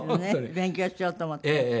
勉強しようと思って。